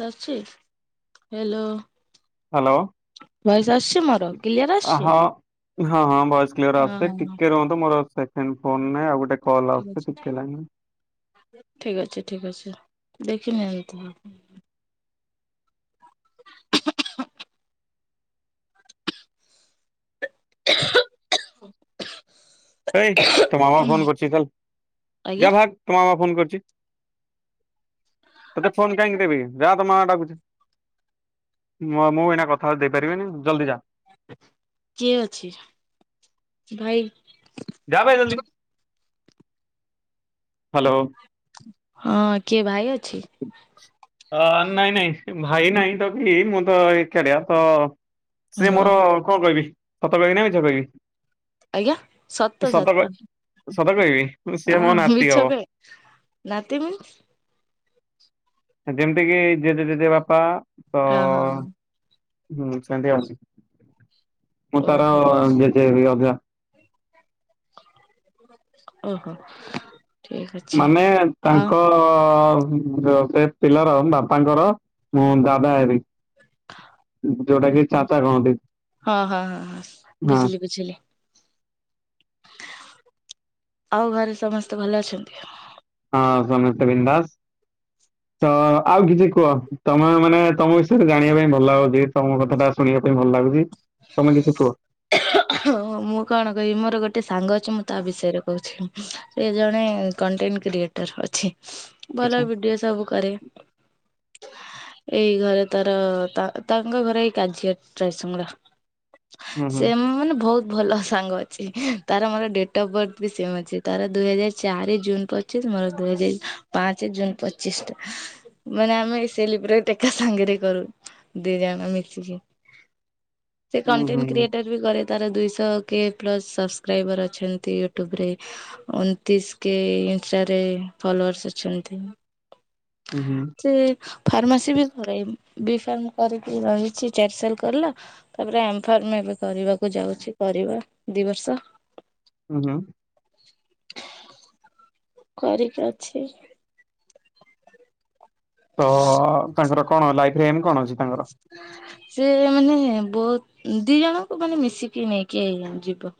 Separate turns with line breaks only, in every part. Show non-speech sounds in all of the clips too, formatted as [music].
କଥା ଆସଚି hello.
Hello ହଁ।
ଭଏସ ଆସୁଛି ମୋର କ୍ଲିୟର ଆସୁଛି?
ହଁ ହଁ ଭଏସ୍ କ୍ଲିୟର ଆସୁଚି
ହଁ
ଟିକେ ରୁହନ୍ତୁ ମୋର ସେକେଣ୍ଡ ଫୋନ ନାଇଁ ଆଉ ଗୋଟେ କଲ୍ ଆସୁଛି ଟିକେ ଲାଇନରେ
ଠିକ ଅଛି ଠିକ ଅଛି ଦେଖିନିଅନ୍ତୁ।
ଏଇ ତୋ ମାମା ଫୋନ୍ କରିଚି ଚାଲ୍
ଆଜ୍ଞା
ଯା ଭଗ୍ ତୋ ମାମା ଫୋନ୍ କରିଚି। ତେତେ ଫୋନ୍ କାଇଁକି ଦେବି, ଯା ତୋ ମାମା ଡାକୁଚି। ମୁଁ ଆଉ ମୁଁ ଏଇନା କଥା ହେଉଚି ଦେଇପାରିବିନି, ଜଲ୍ଦି ଯା।
କିଏ ଅଛି, ଭାଇ।
ଯା ବେ ଜଲ୍ଦି, ହାଲୋ।
ହଁ, କିଏ ଭାଇ ଅଛି?
ଅ ନାଇଁ-ନାଇଁ ଭାଇ ନାଇଁ ତ କି ମୁଁ ତ ଏକାଟିଆ ତ
ଓ
ସେ ମୋର କଣ କହିବି, ସତ କହିବି ନା ମିଛ କହିବି?
ଆଜ୍ଞା, ସତ [unintelligible]
ସତ କହିବି? ସିଏ ମୋ ନାତି ହବ
[inaudible]
ଯେମ୍ତି କିି ଜେଜେ ଜେଜେବାପା ତ
ହଁ ହଁ।
ହୁଁ ସେନ୍ତି ଆଉ, ମୁଁ ତାର
ଓହୋ
ଜେଜେ ହେବି ଅଜା।
ଓହୋ। ଠିକ ଅଛି
ମାନେ
ଆଉ
ତାଙ୍କ ଅ ସେ ପିଲାର ବାପାଙ୍କର ମୁଁ ଦାଦା ହେବି। ଯୋଉଟା କି ଚାଚା କହନ୍ତି,
ହଁ ହଁ ହଁ ହଁ।
ହଁ।
ବୁଝିଲି ବୁଝିଲି। ଆଉ ଘରେ ସମସ୍ତେ ଭଲ ଅଛନ୍ତି?
ହଁ ସମସ୍ତେ ବିନ୍ଦାସ୍। ତ ଆଉ କିଛି କୁହ, ତମେ ମାନେ ତମ ବିଷୟରେ ଜାଣିବା ପାଇଁ ଭଲ ଲାଗଛି ତମ କଥାଟା ଶୁଣିବା ପାଇଁ ଭଲ ଲାଗୁଚି, ତମେ କିଛି କୁହ।
ହଁ ମୁଁ କଣ କହିବି ମୋର ଗୋଟେ ସାଙ୍ଗ ଅଛି ମୁଁ ତା ବିଷୟରେ କହୁଛି, ସେ ଜଣେ କଣ୍ଟେଣ୍ଟ କ୍ରେଏ ଟର୍ ଅଛି। ଭଲ
ଆଚ୍ଛା
ଭିଡିଓ ସବୁ କରେ। ଏଇ ଘରେ ତାର ତା ତାଙ୍କ ଘରେ ଏଇ କାଜିିଆ [unintelligible]
ହୁଁ ହୁଁ
ସେ ମାନେ ଭଉତ୍ ଭଲ ସାଙ୍ଗ ଅଛି ତାର ମୋର ଡେଟ୍ ଅଫ୍ ବର୍ଥ ବି ସେମ ଅଛି, ତାର ଦୁଇ ହଜାର ଚାରି ଜୁନ୍ ପ ଚିଶ୍ ମୋର ଦୁଇ ହାର ପାଞ୍ଚ ଜୁନ୍ ପଚିଶ୍। ମାନେ ଆମେ ସେଲିବ୍ରେଟ୍ ଏକା ସାଙ୍ଗେରେ କରୁ ଦି ଜଣ ମିଶିକି। ସେ
ହୁଁ ହୁଁ
କଣ୍ଟେଣ୍ଟ କ୍ରେଏଟ୍ କରେ ତାର ଦୁଇଶହ କେ ପ୍ଲସ୍ ସବସ୍କ୍ରାଇବର୍ ଅଛନ୍ତି ୟୁଟ୍ୟୁବ୍ ରେ ଉଣତିଶ୍ କେ ଇନଷ୍ଟା ରେ ଫଲୋଅର୍ସ ଅଛନ୍ତି।
ହୁଁ-ହୁଁ।
ସେ ଫାର୍ମାସି ବି କରେ, ବି ଫାର୍ମ କରିକି ରହିଚି ଚାର୍ସେଲ୍ କଲା। ତାପରେ ଏମ୍ ଫାର୍ମ ଏବେ କରିବାକୁ ଯାଉଛି, କରିବ ଦି ବର୍ଷ।
ହୁଁ-ହୁଁ।
କରିକି ଅଛି।
ତ ତାଙ୍କର କଣ ଲାଇଫ୍ ରେ ଏମ୍ କଣ ଅଛି? ତାଙ୍କର?
ହୁଁ ସେ ମାନେ ବହୁତ ଦି ଜଣଙ୍କୁ ମାନେ ମିଶିକି ନେଇକି ଯିବ।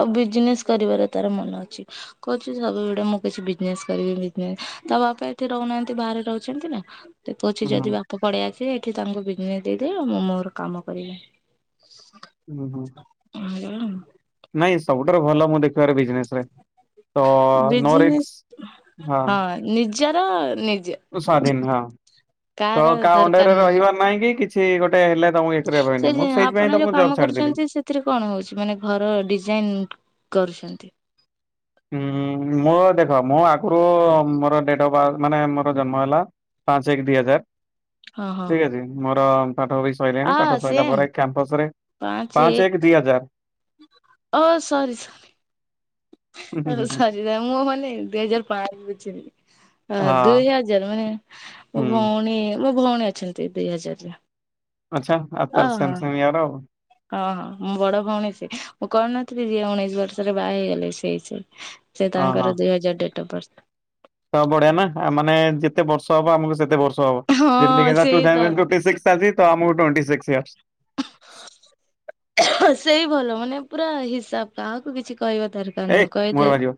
ଆଉ ବିଜନେସ୍ କରିବାର ତାର ମନ ଅଛି। କହୁଚି ସବୁବେଳେ ମୁଁ କିଛି ବିଜନେସ୍ କରିବି ବିଜ୍। ତା ବାପା ଏଠି ରହୁନାହାନ୍ତି ବାହାରେ ରହୁଛନ୍ତି ନା। ସେ
ହୁଁ
କହୁଚି
ହୁଁ
ଯଦି ବାପ ପଳେଇ ଆସିବେ ଏଠି ତାଙ୍କୁ ବିଜନେସ୍ ଦେଇଦେବି ଆଉ ମୁଁ ମୋର କାମ କରିବି।
ଉଁ ହୁଁ।
[unintelligible]
ନାଇଁ ସବୁଠାରୁ ଭଲ ମୁଁ ଦେ ବିଜନେସ୍ ରେ ତ ନୋ
ବିଜନେସ
ରିଷ୍କ୍। ହଁ।
ନିଜର ନିଜେ।
ସ୍ୱାଧୀନ୍ ହଁ।
କାହାର
ତ କାହା ଅଣ୍ଡର
ଦରକାର
ରେ
ନୁହେଁ
ରହିବାର ନାହିଁ କି, କିଛି ଗୋଟେ ହେଲେ ତମକୁ [unintelligible] ମୁଁ ସେଇଥିପାଇଁ ତ ମୁଁ ଜବ୍ ଛାଡିଦେଲି।
ଏଥିରେ କଣ ହଉଚି ମାନେ ଘର ଡିଜାଇନ କରୁଛନ୍ତି।
ଉଁ ମ ଦେଖ ମୋ ଆଗରୁ ମୋର ଡେଟ୍ ଅଫ୍ ବାର୍ଥ ମାନେ ମୋର ଜନ୍ମ ହେଲା ପାଞ୍ଚ ଏକ ଦି ହଜାର
ହଁ ହଁ
ଠିକ୍ ଅଛି। ମୋର ପାଠ ବି ସଇଲାଣି।
ଆ
ପାଠ ସରିଲା
ସେମ୍
ପରେ କ୍ୟାମ୍ପସ ରେ ପାଞ୍ଚ ଏକ ଦି ହଜାର।
ହୁଁ ଓ ସରି ସ
ହୁଁ ହୁଁ
ଆ
ହୁଁ
ସରି। ମୁଁ ମାନେ ଦୁଇ ହଜାର ପାଞ୍ଚ ବୁଝିଲି।
ହଁ
ଦୁଇ ହଜାର ମାନେ ମୋ
ହୁଁ
ଭଉଣୀ ମୋ ଭଉଣୀ ଅଛନ୍ତି ଦୁଇ ହଜାରର।
ଆଚ୍ଛା। ଆ ତାହେଲେ ସେମ୍ ସେମ୍ ଇୟର ଆଉ।
ହଁ ହଁ। ମୋ ବଡ ଭଉଣୀ ସିଏ। ମୁଁ କହୁନଥିଲି ଯିଏ ଉଣେଇଶି ବର୍ଷରେ ବାହା ହେଇଗଲେ ସେଇ ସେଇ। ସେ
ହଁ
ତାଙ୍କର ଦୁଇ ହଜାର ଡେଟ୍ ଅଫ୍ ବାର୍ଥ।
ତା ବଢିଆ ନା। ମାନେ ଯେତେ ବର୍ଷ ହବ ଆମକୁ ସେତେ ବର୍ଷ ହବ।
ହଁ ସେଇ
[unintelligible]
ତ
ଟ୍ବେଣ୍ଟି ସିକ୍ସ ଚାଲିଚି ତ ଆମକୁ ଟ୍ବେଣ୍ଟି ସିକ୍ସ ଇୟରସ୍।
ସେଇ ଭଲ। ମାନେ ପୁରା ହିସାବ, କାହାକୁ କିଛି କହିବା ଦର
ଆରେ ମୁହଁ ରେ ବାଜିବ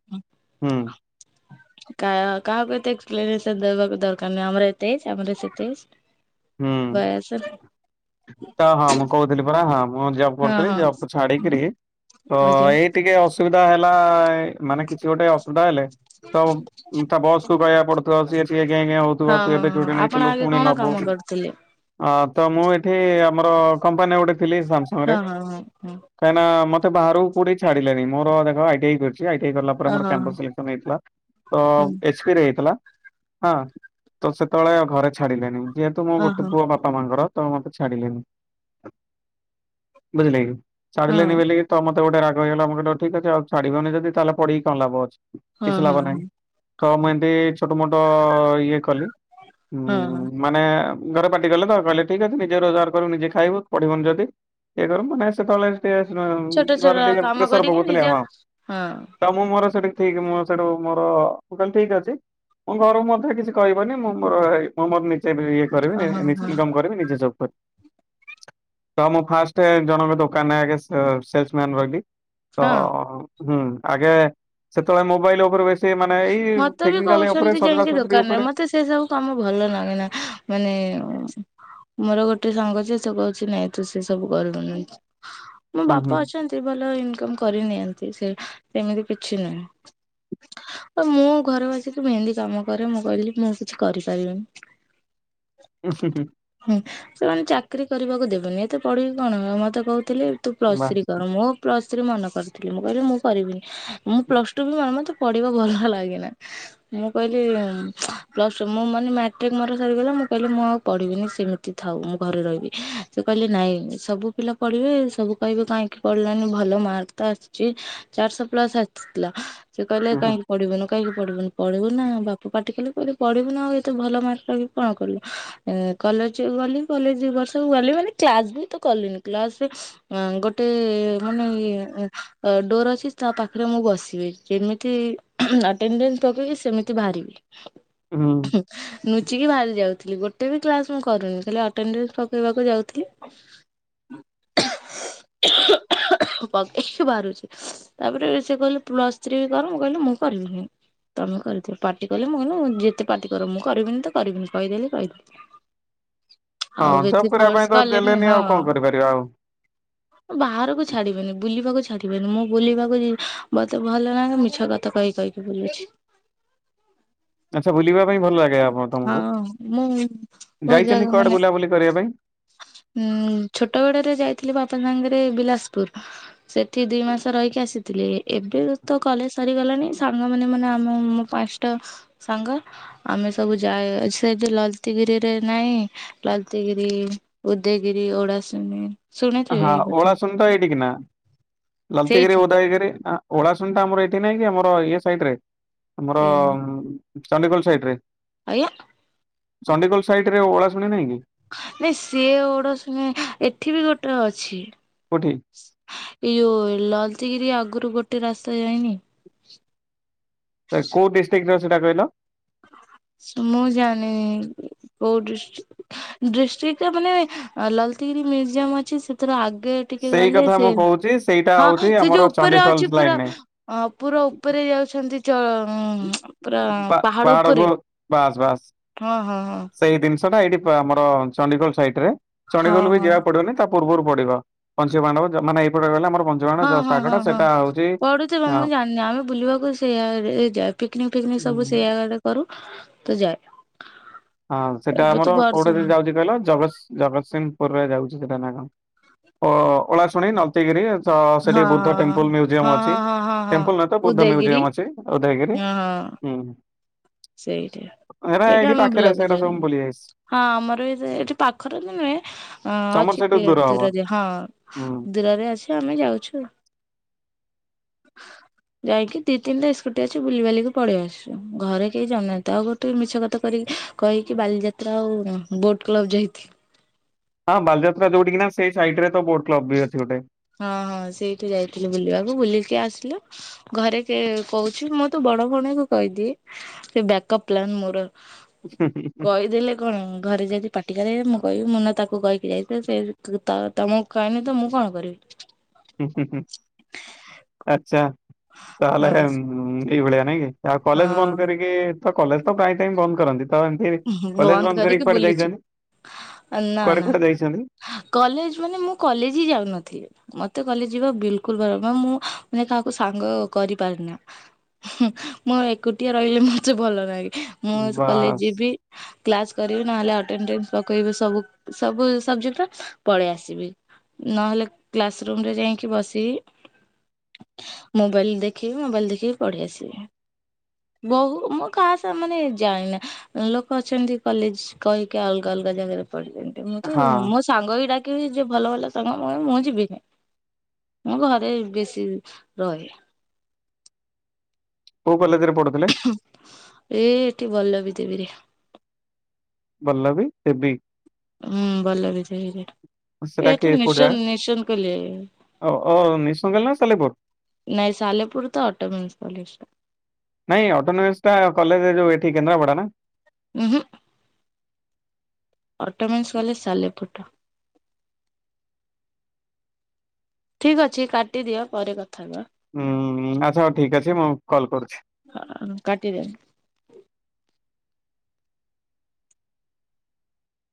ହୁଁ।
କା କାହାକୁ ଏତେ ଏକ୍ସପ୍ଲେନେସନ୍ ଦେବାକୁ ଦରକାର ନାହିଁ। ଆମର ଏତେ ଏଜ୍ ଆମର ସେତେ ଏଜ୍।
ହୁଁ
ବୟସ
ତ ହଁ ମୁଁ କହୁଥିଲି ପରା ହଁ, ମୁଁ ଜବ୍
ହଁ
କରୁଥିଲି।
ହଁ
ଜବ୍ କୁ ଛାଡ଼ିକିରି ତ
ଆଜ୍ଞା
ଏଇ ଟିକେ ଅସୁବିଧା ହେଲା ଏ ମାନେ କିଛି ଗୋଟେ ଅସୁବିଧା ହେଲେ ତ ତ ବସ୍ କହିବାକୁ ପଡୁଥିବ, ସିଏ ଟିକେ ଗେଁ ଗେ ହଉଥିବ
ହଁ
ତୁ
ହଁ
ଏବେ
ହଁ
ଛୁଟି
ଆପଣ
ନେଇଥିଲୁ
ଆଗେ
ପୁଣି
କଣ
ନବୁ।
[unintelligible]
ଅ ତ ମୁଁ ଏଠି ଆମର କମ୍ପାନୀ ଗୋଟେ ଥିଲି ସାମସଙ୍ଗ
ହଁ
ରେ।
ହଁ ହଁ ହଁ
କାହିଁନା ମତେ ବାହାରକୁ କୋଉଠିକି ଛାଡିଲେନି। ମୋର ଦେଖ ଆଇଟିଆଇ କରି ଚି ଆଇଟିଆଇ କଲା ପରେ
ଓହୋ
କ୍ୟାମ୍ପସ ସିଲେକ୍ସନ ହେଇଥିଲା। ତ
ହୁଁ
ଏଚ୍ ପି ରେ ହେଇଥିଲା ହଁ, ତ ସେତେବେଳେ ଘରେ ଛାଡିଲେନି ଯେହେତୁ ମୋ ଗୋଟେ
ଓହୋ
ପୁଅ ବା ପା ମା ଙ୍କର ତେଣୁ ମତେ ଛାଡିଲେନି। ବୁଝିଲେ କି?
ହଁ ହଁ
ଛାଡିଲେନି ବଲିକି ତ ମତେ ଗୋଟେ ରାଗ ହେଇଗଲା ମୁଁ କହିଲି ହଉ ଠିକ୍ ଅଛି, ଆଉ ଛାଡିବନି ଯଦି ତାହେଲେ ପଡିକି କଣ ଲାଭ ଅଛି।
ହଁ
କିଛି ଲାଭ ନାହିଁ।
ହଁ।
ତ ମୁଁ ଏନ୍ତି ଛୋଟ ମୋଟ ଇଏ କଲି। ଉଁ
ହଁ ହଁ
ମାନେ ଘରେ ପାଟି କଲେ ତାପରେ କହିଲେ ଠିକ୍ ଅଛି ନିଜେ ରୋଜଗାର କର ନିଜେ ଖାଇବୁ ପଢିବୁନି ଯଦି। -ଇଏ କରିବୁ ମାନେ ସେତେବେଳେ
ଛୋଟ
[unintelligible]
ଛୋଟ
ଘରେ ଟିକେ
କାମ
ପ୍ରେସର
କରିକି
ପକଉଥିଲେ
ନିଜ
ହଁ।
ହଁ
ତ ମୁଁ ମୋର ସେଠି ଠିକ୍ ମୁଁ ସେଠୁ ମୋର ମୁଁ କହିଲି ଠିକ୍ ଅଛି। ମୋ ଘରକୁ ମଧ୍ୟ କିଛି କହିବନି ମୁଁ ମୋର ହେଇ ମୁଁ ମୋର ନିଜେ ବି କରିବିନି
ଓହୋ
ନିଜେ
ହଁ।
ଇନକମ୍ କରିବି ନିଜେ ଜବ୍ କରିବି। ତ ମୁଁ ଫାଷ୍ଟେ ଜଣଙ୍କ ଦୋକାନ ଆଗେ ଆ ଏ ସେଲସ ମ୍ୟାନ ରହିଲି। ହଁ ହୁଁ ଆଗେ ସେତେବେଳେ ମୋବାଇଲ ଉପରେ ବେ। ସେମାନେ ଏଇ
ମତେ ବି
ଟେକ୍ନିକାଲ ଉପରେ
କହୁଛନ୍ତି
ସଜଡ଼ା
ଯାଇକି
ସଜଡି
ଦୋକାନରେ
ଉପରେ
ମତେ ସେ ସବୁ କାମ ଭଲ ଲାଗେ ନା, ମାନେ- ମୋର ଗୋଟେ ସାଙ୍ଗ ଯେ, ସେ କହୁଛି ନାଇଁ ତୁ ସେ ସବୁ କରିବୁନି। ମୋ
ହୁଁ ହୁଁ।
ବାପା ଅଛନ୍ତି ଭଲ ଇନକମ କରି ନିିଅନ୍ତି ସେ ସେମିତି କିଛି ନୁହେଁ। ତ, ମୁଁ ଘର ବସିକି ମେହନ୍ଦୀ କାମ କରେ ମୁଁ କହିଲି ମୁଁ କିଛି କରିପାରିବିନି।
ଉଁ, ହୁଁ ହୁ।
ହୁଁ, ସେମାନେ ଚାକିରୀ କରିବାକୁ ଦେବନି ଏତେ ପଢିକି କଣ ହ ମତେ କହୁଥିଲେ ତୁ ପ୍ଲସ
ବାସ୍
ଥ୍ରୀ କର ମୁଁ ପ୍ଲସ ଥ୍ରୀ ମନା କରିଥିଲି ମୁଁ କହିଲି ମୁଁ କରିବିନି ମୁଁ ପ୍ଲସ୍ ଟୁ ବି ଆମେ ତ ପଢିବା ଭଲ ଲାଗିଲା। ମୁଁ କହିଲି, ପ୍ଲସ ମୁଁ ମାନେ ମାଟ୍ରିକ ମର ସରିଗଲା ମୁଁ କହିଲି ମୁଁ ଆଉ ପଢିବିନି ସେମି ଥାଉ ମୁଁ ଘରେ ରହିବି, ସେ କହିଲେ ନାଇଁ ସବୁ ପିଲା ପଢିଲେ ସବୁ କହିବେ କାହିଁକି ପଢିଲାନି ଭଲ ମାର୍କ ତ ଆସିଛି ଚାରିଶହ ପ୍ଲସ ଆସିଥିଲା, ସେ କହିଲେ
ହୁଁ ହୁଁ
କାହିଁକି ପଢିବୁନ କାହିଁକି, ପଢିବୁନି ପଢିବୁ ନା ବାପ ପାଟିିକଲେ କହିଲେ ପଢିବୁ ନା ଆଉ ଏତେ ଭଲ ମାର୍କ ରଖିକି ଗି କଣ କରିବୁ। କଲେଜ ଗଲି, କଲେଜ ବର୍ଷକୁ ଗଲି ମାନେ କ୍ଲାସ ବି ତ କଲିନି କ୍ଲାସରେ ଅ, ଗୋଟେ ମାନେ ଇଏ ଡୋର ଅଛି ତା ପାଖରେ ମୁଁ ବସିବି ଯେମିତି ଉହୁଁ ଆଟେଣ୍ଡେନ୍ସ ପକେଇକି ସେମିତି ବାହାରିବି।
ହୁଁ।
ନୁଚିକି ବାହାରି ଯାଉଥିଲି, ଗୋଟେ ବି କ୍ଲାସ ମୁଁ କରୁନି, ଖାଲି ଏଟେଣ୍ଡସ ପକେଇବାକୁ ଯାଉଥିଲି। [inaudible]
[inaudible]
[unintelligible] ପକେଇକି ବାହାରୁଛି। ତାପରେ ସେ କହିଲ ପ୍ଲସ ଥ୍ରୀ ବି କର ମୁଁ କହିଲି ମୁଁ କରିବିନି।। ତମେ କରିିଥିବ ପାର୍ଟି କଲେ ମୁଁକଇନୁ ଯେତେ ପାର୍ଟି କର ମୁଁ କରିବିନି ତ କରିବିନି କହିଦେଲି କହିଦେଲି। ଆଉ
ହଁ
ବେଶୀ
ଜବ୍ କରିବା
ଫୋର୍ସ
ପାଇଁ ତ
କଲେନି
ଦେଲେନି ଆଉ
ହଁ
କଣ କରିପାରିବା ଆଉ।
ବାହାରକୁ ଛାଡିବେନି, ବୁଲିବାକୁ ଛାଡିବେନି, ମୁଁ ବୁଲିବାକୁ ଯ ମତେ ଭଲ ନାହିଁ ମିଛ କ ତ କହି କହିକି ବୁଲୁଛି।
ଆଛା ବୁଲିବା ପାଇଁ ଭଲ ଲାଗେ ଆପଣ
ହଁ
ତମକୁ
ମୁଁ ବୋ
ଯାଇଛନ୍ତି
ଜାଗ
କୁଆଡେ
ମାନେ
ବୁଲାବୁଲି କରିବା ପାଇଁ?
ଉଁ ଛୋଟ ବଡରେ ଯାଇଥିଲି ବାପା ସାଙ୍ଗରେ ବିଲସପୁର। ସେଠି ଦିଇ ମାସ ରହିକି ଆସିଥିଲେି ଏବେ ତ କଲେଜ ସରିଗଲାଣି ସାଙ୍ଗମାନୋନ ମାନେ ଆମ ପାଞ୍ଚଟା ସାଙ୍ଗ ଆମେ ସବୁ ଯା ଅ ସେଠି ଲଲତିଗିରିରେ ନାହିଁ ଲଲତାଗିରି ଉଦୟଗିରି ଓଡ଼ାସମି
ହଁ ଓଳା ଶୁନ ତ ଏଇଠିକି ନା ଲଲତିଗିରିି
ସେଇଠି
ଓଦଗିରି ଆ ଓଳାଶୁଣିଟା ଆମର ଏଇଠି ନାହିଁ କି ଆମର ଇଏ ସାଇଟିରେ ଆମର
ଏ
ଚଣ୍ଡିଖୋଲ ସାଇଟିରେ।
ଆଜ୍ଞା।
ଚଣ୍ଡଖୋଲ ସାଇଟି ରେ ଓଳା ଶୁଣି ନାଇଁ କି?
ନାଇଁ ସିଏ ଓଡଶୁଣିଏଠି ବି ଗୋଟେ ଅଛି।
କୋଉଠି।
ଏଇ ଯୋଉ ଲାଲଚିଗିରି ଆଗରୁ ଗୋଟେ ରାସ୍ତା ଯାଇଏନି।
ତ କୋଉଦିଷ୍ଟକିରେ ସେଟା କଇଲ?
ମୁଁ ଜାଣିନି କୋଉ ଡିଷ୍ଟିକ୍। ଡିଷ୍ଟ୍ରିକ୍ଟରେ ମାନେ ଲଲତିଗିରି ମ୍ୟୁଜିୟମ ଅଛି ସେଥିରେ ଆଗେ ଟିକେ
ସେଇ
ଗଲେ
କଥା ମୁଁ
ସେ
କହୁଛି ସେଇଟା
ହଁ
ହଉଛି
ସେ
ଆମର
ଯୋଉ ଉପରେ
ଚଣ୍ଡିଖୋଲ
ଅଛି ପୁରା
ଲାଇନରେ।
ପୁରା ଉପରେ ଯାଉଛନ୍ତି ଚ ପୁରା
ପା
ପାହାଡ
ପାହାଡକୁ
ଉପରେ।
ବାସ୍ ବାସ୍।
ହଁ ହଁ ହଁ।
ସେଇ ଜିନିଷ ଟା ଏଇଠି ଆମର ଚଣ୍ଡିଖୋଲ ସାଇଟ ରେ
ହଁ
ଚଣ୍ଡିଖୋଲ ବି
ହଁ।
ଯିବାକୁ ପଡିବନି ତା ପୂର୍ବରୁ ପଡିବ। ପଞ୍ଚ ପାଣ୍ଡବ ମାନ ଏଇପଟେ ଗଲେ ଆମର ପ।
ହଁ ହଁ ହଁ ହଁ। ପଡୁଥିବା
ହଁ
ମୁଁ ଜାଣିନି ଆମେ ବୁଲିବାକୁ ସେଇଆ ପିକନିକ ଫିକନିକ ସବୁ ସେଇ ଆଡେ କରୁ ତ ଯାଏ।
ହଁ ସେଟା
ଏବେ ତ
ଆମର କୋଉଠି
ବର୍ଷ
ଯ ଯାଉଛି କହିଲ ଜ ଜଗତସିଂହପୁର ରେ ଯାଉଛି ସେଟା ନା କଣ‌? ଓ ଓଳା ଶୁଣି ନ। ସେତିକିରି
ହଁ
ସେଠି ବୁଦ୍ଧ
ହଁ
ଟେମ୍ପଲ ମ୍ୟୁଜିୟମ ଅଛି
ହଁ ହଁ ହଁ ହଁ ହଁ
ଟେମ୍ପଲ ନୁହେଁତ ବୁଦ୍ଧ
ଉଦୟଗିରି
ମ୍ୟୁଜିୟମ ଅଛି। ଉଦୟଗିରି
ହଁ ହଁ
ହୁଁ।
ସେଇଟା ସେଇଟା ଆମ
ପାଖେରେ
ବ୍ଲକ
ସେଇଟା ସବୁ
ଯାଉନି
ମୁଁ ବୁଲିଯାଇଛି।
ହଁ ଆମର ଏ ଏଠି ପାଖରେ ବି ନୁହେଁ ଅ
ତମର
ଅଛି
ସେଇଠୁ ଦୂର ହବ
ଦୂରରେ ହଁ।
ହୁଁ
ଦୂରରେ ଅଛ ଆମେ ଯାଉଛୁ। ଯାଇକି ଦି ତିନିଟା ସ୍କୁଟି ଅଛି ବୁଲିିବାଲିିକ ପଳେଇ ଆସଛୁ ଘରେ। କେହି ଜଣିନାହାଁନ୍ତି ଆଉ ଗୋଟେ ମିଛ କଥା କରିକି କହିକି ବାଲିଯାତ୍ରା ଆଉ ବୋଟ୍ କ୍ଲବ୍ ଯାଇଥିଲ
ହଁ ବାଲିଯାତ୍ରା ଯୋଉଠି କି ନା ସେଇାଇଡରେ ତ ବୋଟ କ୍ଲବ ବି ଅଛି ଗୋଟେ।
ହଁ ହଁ ସେଇଠି ଯାଇଥିଲୁ ବୁଲିବାକୁ ବୁଲିକି ଆସିଲୁ। ଘରେ କିଏ କହୁଛି ମୁଁ ତ ବଡ ଭଉଣୀଙ୍କୁ କହିଦିଏ ସେ ବ୍ୟାକଅପ୍ ପ୍ଲାନ ମୋର। କହିଦେଲେ କଣ ଘରେ ଯଦି ପାଟି କରିବେ ମୁଁ କହିବି ମୁଁ ନା ତାକୁ କହିକି ଯାଇଥିଲି ସେ ତମକୁ କହନି ତ ମୁଁ କଣ କରିବି।
ହଁ ହୁଁ ହୁଁ ଆଚ୍ଛା ତାହଲେ
ହଁ ହଁ।
ଏଇଭଳିଆ ନାଇଁ କି। ଆଉ କଲେଜ ବନ୍ଦ କରିକି ତ କଲେଜ ତ ପ୍ରାୟ ଟାଇମ ବନ୍ଦ କରନ୍ତି। ତ ଏମତି କଲେଜ ବନ୍ଦ କରିକି କୁଆଡେ ଯାଇଛନ୍ତି
ନା
କୁଆଡେ
ନା
କୁଆଡେ ଯାଇଛନ୍ତି।
କଲେଜ ମାନେ ମୁଁ କଲେଜ ହିଁ ଯାଉନଥିଲି। ମତେ କଲେଜ ଯିବା ବିଲକୁଲ ଭ ମୁଁ ମାନେ କାହାକୁ ସାଙ୍ଗ କରିପାରେନା। ହୁଁ ମୁଁ ଏକୁଟିଆ ରହିଲେ ମୋତେ ଭଲ ଲାଗେ ମୁଁ ହଉଚି କଲେଜ
ବାସ୍
ଯିବି କ୍ଲାସ କରିବି ନହେଲେ ଆଟେଣ୍ଟେନ୍ସ ପକେଇବି ସବୁ। ସବୁ ସବଜେକ୍ଟରା ପଳେଇ ଆସିବି। ନହେଲେ କ୍ଲାସ ରୁମରେ ଯାଇକି ବସିବି। ମୋବାଇଲ ଦେଖିବି ମୋବାଇଲ ଦେଖିକି ପଢି ଆସିବି। ବହୁ ମୁଁ କାହା ସା ମାନେ ଜାଏନା। ଲୋକ ଅଛନ୍ତି କଲେଜ କହିକି ଅଲଗା ଅଲଗା ଜାଗାରେ ପଢିଛନ୍ତି ମୁଁ ତ
ହଁ
ମୋ ସାଙ୍ଗ ବି ଡାକିବେ ଯିଏ ଭଲ ଭଲ ସାଙ୍ଗ ମୋର ମୁଁ କହିବି ମୁଁ ଯିବିନି। ମୁ ଘରେ ବେଶୀ ରହେ।
କୋଉ କଲେଜ ରେ ପଢୁଥିଲେ?
ଏ ଏଠି ବଲ୍ଲଭିଦେବୀ ରେ।
ବଲ୍ଲଭି ସେବି।
ହୁଁ ବଲ୍ଲଭିଦେବୀ ରେ।
ସେଟା କି
ଏଇଠି
କୋଉ ଜାଗା?
ନିଶନ୍ ନିଶନ୍ କଲ ରେ।
ଓ ଓ ନିଶୁଙ୍ଗଲ ନା ସାଲେପୁର
ନାଇ ସାଲେପୁର ତ ଅଟୋମେନ୍ସ କଲେଜ ଟା।
ନାଇଁ ଅଟୋନୋମିସ୍ ଟା କଲେଜ ଯୋଉ ଏଠି କେନ୍ଦ୍ରାପଡା ନା।
ଉହୁଁ। ଅଟୋମିନ୍ସ କଲେଜ ସାଲେପୁର ଟା। ଠିକ୍ ଅଛି କାଟିଦିଅ ପରେ କଥା ହବା।
ହୁଁ ଆଚ୍ଛା ହଉ ଠିକ୍ ଅଛି ମୁଁ କଲ୍ କରୁଛି।
ହ କାଟିଦିଅ।